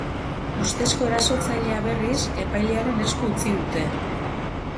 Ustezko erasotzailea, berriz, epailearen esku utzi dute.